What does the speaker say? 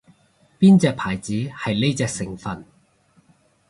邊隻牌子係呢隻成份